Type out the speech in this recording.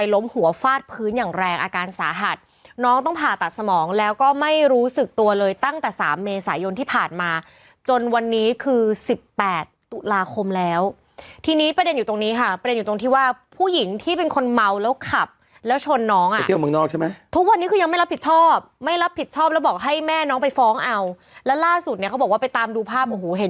แรงอาการสาหัสน้องต้องผ่าตัดสมองแล้วก็ไม่รู้สึกตัวเลยตั้งแต่สามเมษายนที่ผ่านมาจนวันนี้คือสิบแปดตุลาคมแล้วทีนี้ประเด็นอยู่ตรงนี้ค่ะประเด็นอยู่ตรงที่ว่าผู้หญิงที่เป็นคนเมาแล้วขับแล้วชนน้องอ่ะเที่ยวเมืองนอกใช่ไหมทุกวันนี้คือยังไม่รับผิดชอบไม่รับผิดชอบแล้วบอกให้แม่น้องไปฟ้องเอาแล้